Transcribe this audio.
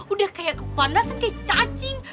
udah kayak panas kayak cacing